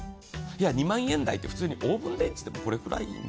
いや、２万円台って普通にオーブンレンジでもこれぐらい。